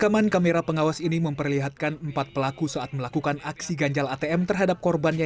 rekaman kamera pengawas ini memperlihatkan empat pelaku saat melakukan aksi ganjal atm terhadap korbannya